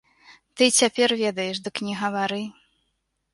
Ты і цяпер ведаеш, дык не гавары.